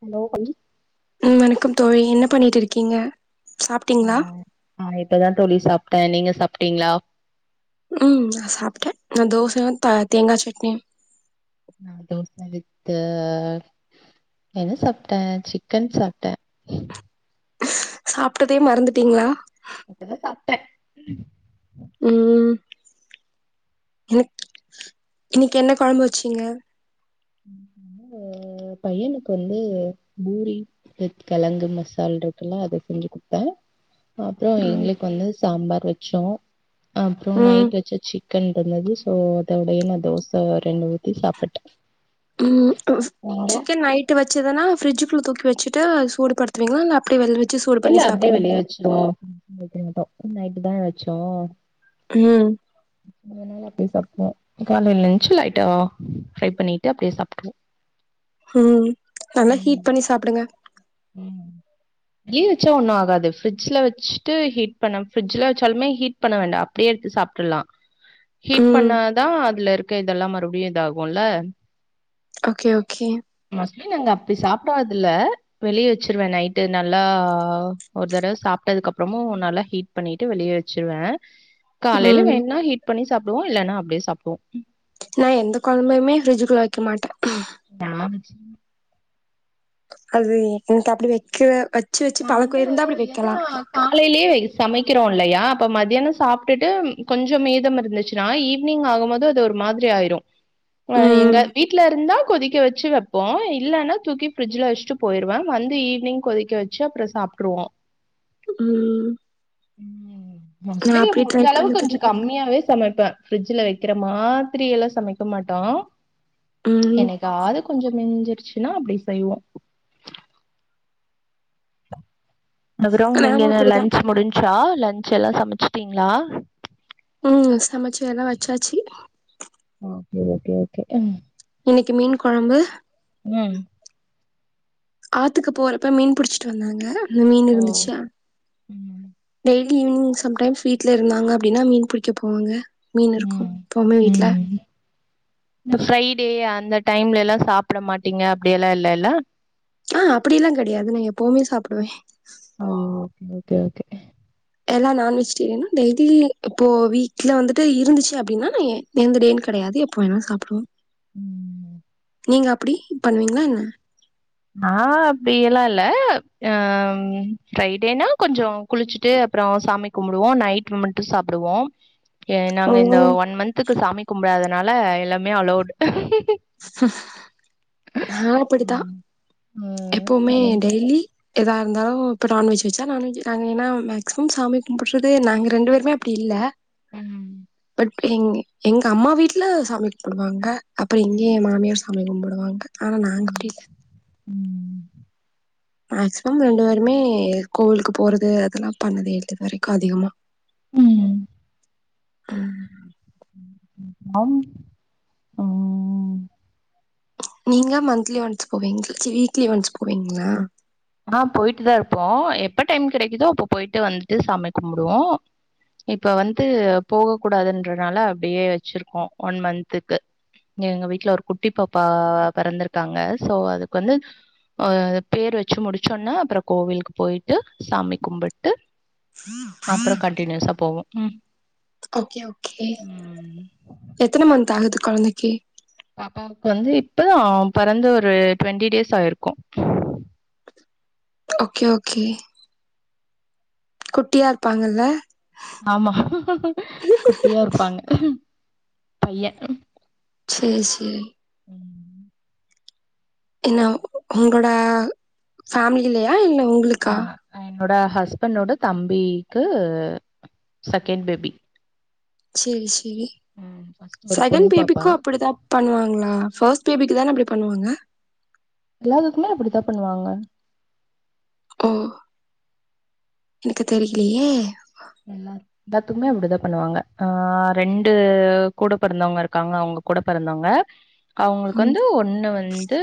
Hello [unintelligible] ம் வணக்கம் தோழி என்ன பண்ணிட்டு இருக்கீங்க சாப்டீங்ளா? ஆ ஆ இப்பதா தோழி சாப்ட்டே நீங்க சாப்டீங்ளா? ம் நா சாப்ட்டே நா தோசயு த தேங்கா சட்னியு. நா தோச வித்த என்ன சாப்ட்டே சிக்கன் சாப்ட்டே. சாப்ட்டதே மறந்துட்டிங்ளா? இப்பதா சாப்ட்டே ம். ம் ம் இன்னிக் இன்னிக்கு என்ன கொழம்பு வெச்சீங்க? [inaudible] பையனுக்கு வந்து பூரி. வித் கெழங்கு மசால் இருக்குல்ல அத செஞ்சு குட்த்தே. அப்றோ ம் எங்குளுக்கு வந்து சாம்பார் வெச்சோ அப்றோ ம் நைட் வெச்ச சிக் கன் இருந்தது சோ அதோடயே நா தோச ரெண்டு ஊத்தி சாப்பிட்டே. ம் [unintelligible] நீங்க சிக்கன் நைட்டு வெச்சதுனா ஃபிரிட்ஜுக்குள்ள தூக்கி வெச்சுட்டு சூடுபடுத் துவிங்ளா இல்ல அப்டே வெள்ல வெச்சு சூடுபண்ணி சாப்புடுவிங்ளா? [unintelligible] வெக்க மாட்டோ நைட்டு தான வெச்சோ ம். அதனால அப்டியே சாப்ட்ருவோ காலைல எஞ்ச்சு லைட்டா ஃப்ரை பண்ணிட்டு அப்டியே சாப்ட்ருவோ. ம் நல்லா ஹீட் ம் பண்ணி சாப்புடுங்க. ம். வெளிய வச்சா ஒன்னு ஆகாது ஃபிரிட்ஜ்ல வச்சுட்டு ஹீட் பண்ணா ஃபிரிட்ஜ்ல வச்சாலுமே ஹீட் பண்ண வேண்டா அப்டியே எடுத்து சாப்புட்ரலா ஹீட் ம் பண்ணாதா அதுல இருக்க இதெல்லா மறுபடியு இதாகுல்ல ஓகே ஓகே மோஸ்ட்லி நாங்க அப்டி சாப்ட்டாதில்ல வெளியே வச்சிருவே நைட்டு நல்லா ஒரு தடவ சாப்ட்டதுக்கு அப்புறமு நல்லா ஹீட் பண்ணிட்டு வெளியே வச்சிருவே காலைல ம் வேணுன்னா ஹீட் பண்ணி சாப்டுவோ இல்லன்னா அப்டியே சாப்டுவோ நா எந்த கொழம்பையுமே ஃப்ரிட்ஜுக்குள்ள வைக்க மாட்டே ஆமா அது எனக்கு அப்டி வைக்க வச்சு வச்சு நா வந்து பழக்கோ இருந்தா அப்டி வைக்கலா ஏன்னா காலையிலயே சமைக்கிறோ இல்லையா அப்ப மதியானோ சாப்ட்டுட்டு கொஞ்சோ மீதம் இருந்துச்சு னா ஈவினிங் ஆகு போது அது ஒரு மாதிரி ஆயிடு ஆ எங்க ம் வீட்ல இருந்தா கொதிக்க வச்சு ச்சு வப்போ இல்லன்னா தூக்கி ஃபிரிட்ஜ்ல வச்சுட்டு போயிருவே வந்து ஈவினிங் கொதிக்க வச்சு ச்சு அப்புறோ சாப்ட்ருவோ ம் நா மோஸ்ட்லி அப்டி ட்ரை முடிஞ்ச அளவு பண்ணதில்ல கொஞ்சோ கம்மியாவே சமைப்பே ஃபிரிட்ஜ்ல வக்கிற மாரி எல்லா சமைக்க மாட்டோ ம் என்னைக்காது கொஞ்சோ மிஞ்சிருச்சுன்னா அப்டி செய்வோ அப்றோ நீங்க நானு அப்டிதா லன்ச் முடிஞ்சா லன்ச் எல்லா சமைச்சுட்டீங்களா உ சமைச்சுல்லா வச்சாச்சு ஓகே ஓகே ஓகே ஆ இன்னிக்கு மீன் குழம்பு உ ஆத்துக்கு போறப்ப மீன் புடிச்சிட்டு வந்தாங்க மீன் ஓ! இருந்துச்சா ம். டெய்லி ஈவினிங் சம் டைம்ஸ் வீட்ல இருந்தாங்க அப்டின்னா மீன் பிடிக்க போவாங்க மீன் இருக்கு ம். எப்பவுமே வீட்ல ம். இந்த ஃப்ரைடே அந்த டைம்ல எல்லா சாப்ட மாட்டீங்க அப்படியேல்லா இல்லல்ல ஆ அப்டியெல்லா கெடையாது நா எப்பவுமே சாப்டுவே ஆ ஓகே ஓகே ஓகே எல்லா நான்வஜிடேரியனு டெய்லி இப்போ வீக்ல வந்துட்டு இருந்துச்சு அப்டின்னா இந்த டேன் கெடையாது எப்ப வேணா சாப்டுவோ ம் நீங்க அப்டி பண்ணுவீங்களா என்ன மா அப்டி எல்லா இல்ல அம் ஃப்ரைடேனா கொஞ்சோ குளிச்சுட்டு அப்றோ சாமி கும்புடுவோ நைட்டு மட்டு சாப்டுவோ ஏ ஓ நாங்க இந்த ஒன் மந்துக்கு சாமி கும்ப்டாதனால எல்லாமே அலோடு நா அப்டிதா ஆமா. ஆ எப்பவுமே அதான். டெய்லி எதா இருந்தாலு இப்போ நான்வெஜ் வச்சா நான்வெஜ் நாங்க ஏன்னா மேக்சிமம் சாமி கும்புடுறதே நாங்க ரெண்டு பேருமே அப்டி இல்ல உம் பட் எங் எங்க அம்மா வீட்ல சாமி கும்புடுவாங்க அப்ப இங்க ம். ஏ மாமியார் சாமி கும்முடுவாங்க ஆனா நாங்க அப்டி இல்ல உம் மேக்சிமம் ரெண்டு வேருமே கோவிலுக்கு போறது அதெல்லா பண்ணதே இது வரைக்கு அதிகமா உ ம் ஹலோ நீங்க மந்த்லி ஒன்ஸ் போவீங் சீ வீக்லி ஒன்ஸ் போவீங்களா ஆ போய்ட்டு தா இருப்போ எப்ப டைம் கெடைக்குதோ அப்ப போய்ட்டு வந்துட்டு சாமி கும்புடுவோ இப்ப வந்து போக கூடாதுன்றனால அப்டியே வச்சிருக்கோ ஒன் மந்த்துக்கு எங்க வீட்ல ஒரு குட்டி பாப்பா பெறந்துருக்காங்க சோ அதுக்கு வந்து அ பேர் வச்சு முடிச்சோனே அப்ற கோவிலுக்கு போய்ட்டு சாமி கும்புட்டு அப்பற கண்டினியூஸா போவோம் ம் ஓகே ஓகே ம். எத்தன மந்த் ஆகுது கொழந்தைக்கு பாப்பாவுக்கு வந்து இப்பதா பெறந்த ஒரு டுவெண்டி டேஸ் ஆயிருக்கூ ஓகே ஓகே குட்டியா இருப்பாங்கல்ல ஆமா குட்டியா இருப்பாங்க பைய சேர் சேர் ம். இல்ல உங்களோட ஃபேமிலிலயா இல்ல உங் ஆ என்னோட ஹஸ்பண்டோட தம்பிக்கு செகெண் பேபி சேரி சேரி ம் ஃபர்ஸ்ட் ஒரு பொண் செகண் பாப்பா பேபிக்கு அப்டிதா பண்ணுவாங்களா ஃபஸ்ட் பேபிக்கு தானே அப்டி பண்ணுவாங்க எல்லாதுக்குமே அப்டித்தா பண்ணுவாங்க ஓ எனக்கு தெரியிலயே எல்லார் எல்லாத்துக்குமே அப்டிதா பண்ணுவாங்க ஆ ரெண்டு கூட பெறந்தவங்க இருக்காங்க அவங்க கூட பெறந்தவங்க அவுங்களுக்கு ம் வந்து ஒண்ணு வந்து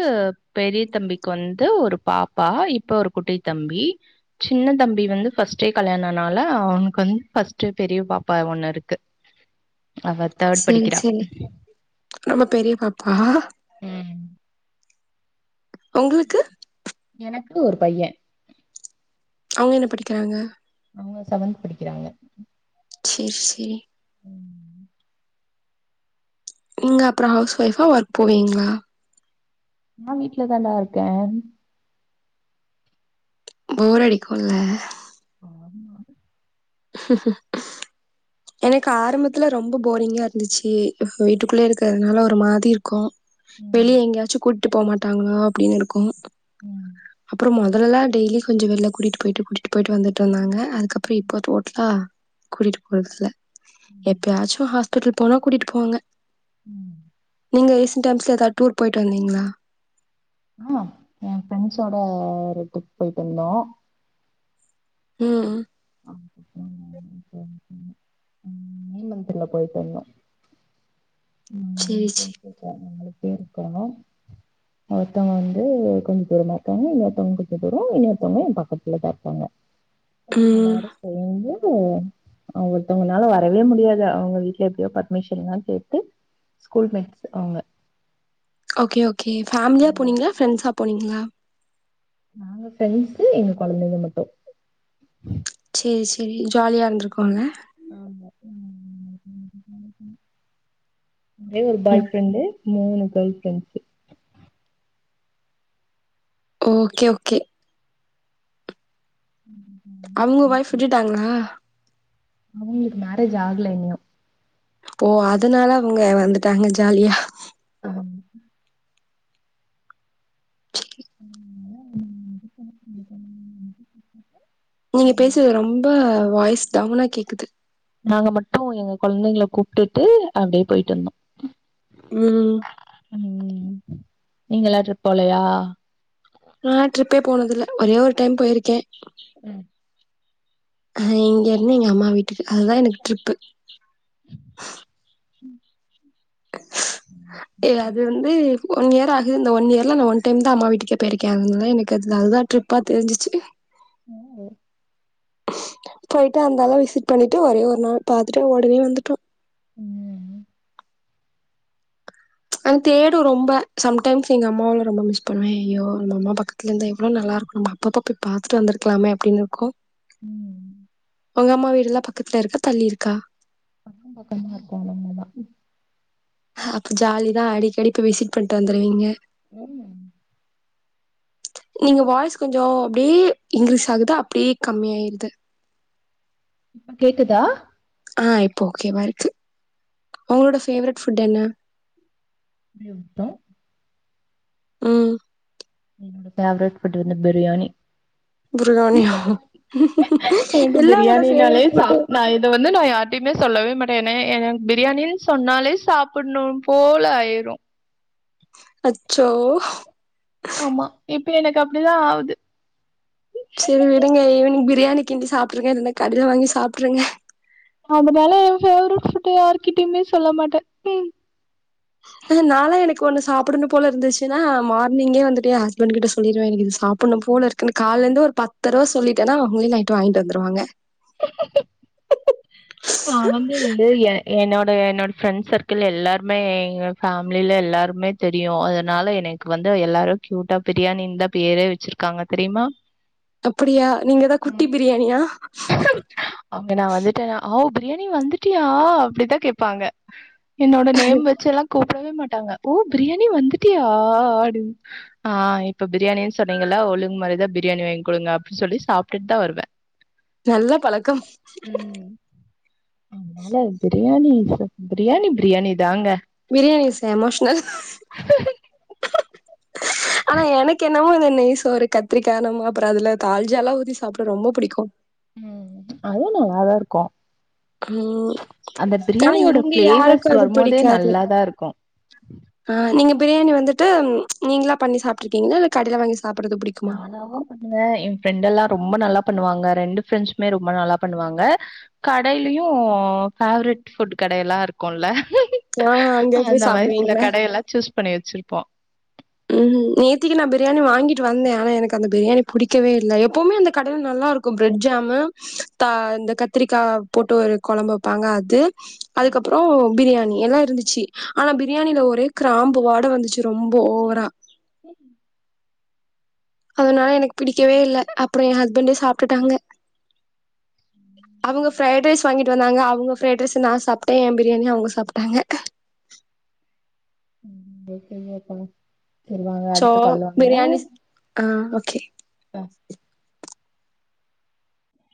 பெரிய தம்பிக்கு வந்து ஒரு பாப்பா இப்ப ஒரு குட்டி தம்பி சின்ன தம்பி வந்து ஃபஸ்ட்டே கல்யாணனால க்கு வந் ஃபஸ்ட்டு பெரிய பாப்பா ஒண்ணு இருக்கு அவ தேர்ட் சேரி படிக்கிறா சேரி ரொம்ப பெரிய பாப்பா ம் ஒங்களுக்கு எனக்கு ஒரு பைய அவங்க என்ன படிக்கிறாங்க அவங்க செவந் படிக்கிறாங்க சேர் சேரி ம் நீங்க அப்ரோ ஹவுஸ் ஒய்ஃபா ஒர்க் போவீங்ளா நா வீட்லதான்டா இருக்கே போர் அடிக்குள்ள ஆமா எனக்கு ஆரம்பத்ல ரொம்ப போரிங்கா இருந்துச்சு வீட்டுக்குள்ளயே இருக்றதுனால ஒரு மாதிரி இருக்கு ம் வெளியே எங்கயாச்சு கூட்டு போ மாட்டாங்ளா அப்டின்னு இருக்கு ம் அப்ரோ மொதலல்ல டெய்லி கொஞ்சோ வெள்ல கூட்டிட்டு பொய்ட்டு கூட்டிட்டு பொய்ட்டு வந்துட்ருந்தாங்க அது அப்புரோ இப்போ டோட் டலா கூட்டிட்டு போறதில்ல ம். எப்பயாச்சு ஹாஸ்பிட்டல் போனா கூட்டிட்டு போவாங்க ம் நீங்க ரீசன் டைம்ஸ்ல ஏதா டூர் போயிட்டு வந்தீங்களா ஆ என் ஃப்ரெண்ட்ஸோட ஒரு ட்ரிப் போய்ட்டு வந்தோ ம் அதுக்கப்புறம் ம். மே மந்த்ல போய்ட்டு வந்தோ சேரி சே [unintelligible] பேர் இருக்கா ஒருத்தவங்க வந்து கொஞ்ஜோ தூரமா இருக்காங்க இன்னொருத்தவங்க கொஞ்ஜோ தூரோ இன்னொருத்தவங்க என் பக்கத்துலதா இருக்காங்க [unintelligible] ம் எல்லாரு சேந்து ஒருத்தவங்கலால வரவே முடியாது அவுங்க வீட்ல எப்டியோ பர்மிஷன்ல்லா கேட்டு ஸ்கூல்மேட்ஸ் அவுங்க ஓகே ஓகே ஃபேமிலியா அவங்க- போனீங்ளா ஃப்ரெண்ட்ஸா போனீங்ளா நாங்க ஃப்ரெண்ட்ஸு எங்க கொழந்தைங்க மட்டு சேரி சேரி ஜாலியா இருந்திருக்குல்ல ஆமா ஒரே ஒரு பாய் ம் ஃப்ரெண்டு மூணு கேர்ள் ஃப்ரெண்ட்ஸு ஓகே ஓகே அவுங்க ஒய்ஃப் விட்டுட்டாங்ளா அவங்ளுக்கு மேரேஜ் ஆகல இன்யு ஓ அதனால அவுங்க வந்துட்டாங்க ஜாலியா அ ம் சரி. [inaudible] நீங்க பேசறது ரொம்ப வாய்ஸ் டவுனா கேக்குது நாங்க மட்டு எங்க கொழந்தைங்கல கூப்டுட்டு அப்டியே போய்ட்டு வந்தோ ம் ம் நீங்கல்லா ட்ரிப் போலையா நா ட்ரிப்பே போனதில்ல ஒரே ஒரு டைம் போயிருக்க ம் அ இங்கிருந்து எங்க அம்மா வீட்டுக்கு அதுதா எனக்கு ட்ரிப்பு ம் ஸ் ஏ அது வந்து ஒன் இயர் ஆகுது இந்த ஒன் இயர்ல நா ஒன் டைம்தா அம்மா வீட்டுக்கே போய்ருக்க அதனாலதா எனக்கு அதுல அதுதா ட்ரிப்பா தெரிஞ்சுச்சு அ ஓ போய்ட்டு அந்தால விசிட் பண்ணிட்டு ஒரே ஒரு நாள் பாத்துட்டு ஒடனே வந்துட்டோ ம் அ தேடு ரொம்ப சம்டைம்ஸ் எங்க அம்மாவல்லா ரொம்ப மிஸ் பண்ணுவேன் ஐயோ நம்ம அம்மா பக்கத்துலந்தா எவ்ளோ நல்லா இருக்கணுமா அப்பப்ப போய் பாத்துட்டு வந்திருக்கலாமே அப்டின்னு இருக்கு ம் உங் அம்மா வீடு எல்லா பக்கத்துல இருக்கா தள்ளி இருக்கா பக்கம் பக்கமா இருக்கோலம் அதா ஆ அப்ப ஜாலிதா அடிக்கடி போய் விசிட் பண்ட்டு வந்துருவீங்க ஆமாம் நீங்க வாய்ஸ் கொஞ்சொ அப்டியே இங்க்ரீஸ் ஆகுது அப்டியே கம்மி ஆயிருது இப்ப கேக்குதா ஆ இப்போ ஓகேவா இருக்கு உங்களோட ஃபேவரட் ஃபுட் என்ன ஒரே நிமிஷோ ம் என்னோட ஃபேவரட் ஃபுட் வந்து பிரியாணி பிரியாணியா எல்லாரோட ஃபேவரட் ஃபுட்டு இது வந்து நா யார்ட்டியுமே சொல்லவே மாட்டே ஏனா எனக் பிரியாணின் சொன்னாலே சாப்புட்ணு போல ஆய்ரு அச்சோ ஆமா இப்ப எனக்கு அப்டிதா ஆவுது சேரி விடுங்க ஈவ்னிங் பிரியாணி கிண்டி சாப்ட்ருங்க இல்லனா கடைல வாங்கி சாப்ட்ருங்க அதுனால எ ஃபேவ்ரெட் ஃபுட்ட யார்கிட்டியுமே சொல்ல மாட்டே ம் அதுனால எனக் ஒன்னு சாப்படணு போல இருந்துச்சுன்னா மார்னிங்கே வந்துட்டு எ ஹஸ்பண்ட் கிட்ட சொல்லிருவே எனக் இத சாப் பட்ணு போலருக்குனு கால்லர்ந்து ஒரு பத் தரவ சொல்லீட்டனா அவுங்ளே நைட்டு வாங்கீட்டு வந்துருவாங்க நா வந்து லூய என்னோட என்னோட ஃப்ரெண்ட் சர்க்கிள்ல எல்லார்மே எங்க ஃபேம்லில எல்லாருமே தெரியு அதுனால எனக் வந்து எல்லாரு கியூட்டா பிரியாணின் தா பேரே வெச்சிருக்காங்க தெரியுமா அப்பிடியா நீங்க தா குட்டி பிரியாணியா அவுங்க நா வந்துட்டேனா ஓ பிரியாணி வந்துட்டியா அப்டிதா கேப்பாங்க என்னோட நேம் வெச்செல்லா கூப்படவே மாட்டாங்க ஓ பிரியாணி வந்துட்டியா அப்டின் ஆ இப்ப பிரியாணின் சொன்னீங்கல்ல ஒழுங் மரியாதையா பிரியாணி வாய்ங் குடுங்க அப்டி சொல்லி சாப்ட்டுட் தா வருவே நல்ல பழக்கம் அதுனால பிரியாணி [inaudible] பிரியாணி பிரியாணி தாங்க பிரியாணி இஸ் எமோஷ்னல் ஆனா எனக் என்னவோ இந்த நெய் சோறு கத் திரிக்கா என்னமோ அப்பறோ அதுல தால்ஜாலா ஊத்தி சாப்ட ரொம்ப புடிக்கு ம் அது நல்லாதா இருக்கு ம் அந்த ஆனா பிரியாணியோட இங்க யாருக்கு ஃப்ளேவர்ஸ் அது வரும்போதே பிடிக்காது நல்லாதா இருக்கு ஆ நீங்க பிரியாணி வந்துட்டு நீங்களா பண்ணி சாப்ட்ருக்கீங்ளா இல்ல கடைல வாங்கி சாப்பட்றது புடிக் நானாவு பண்ணுவே எ ஃப்ரெண்டெல்லா ரொம்ப நல்லா பண்ணுவாங்க ரெண்டு ஃப்ரெண்ட்ஸ்மே ரொம்ப நல்லா பண்ணுவாங்க கடைலயு ஃபேவ்ரெட் ஃபுட் கடையெல்லா இருக்குல்ல ஆ அங்க அந்த போய் மாரி சில சாப்டுவீங்களா கடையெல்லா சூஸ் பண்ணி வெச்சிருப்போ ம் நேத்திக்கி நா பிரியாணி வாங்கிட்டு வந்தே ஆனா எனக்கு அந்த பிரியாணி புடிக்கவே இல்ல எப்பவ்மே அந்த கடைல நல்லாருக் கு பிரெட் ஜாமு தா இந்த கத்திரிக்கா போட்டு ஒரு கொழம்பு வெப்பாங்க அது ம். அதுக்கப்பறோ பிரியாணி எல்லா இருந்துச்சி ஆனா பிரியாணில ஒரே கிராம்பு வாட வந்துச்சு ரொம்ப ஓவரா சேரிங்க அதுனால எனக்கு பிடிக்கவே இல்ல அப்பறோ எ ஹஸ்பண்டே சாப்ட்டுட்டாங்க அவுங்க ஃப்ரைட் ரைஸ் வாங்கிட்டு வந்தாங்க அவுங்க ஃப்ரைட் ரைஸ நா சாப்ட்டே எம்பிரியாணிய அவுங்க சாப்ட்டாங்க செரி வாங்க சோ அடுத்த கால் வாங்க பிரியாணி ஆ ஓகே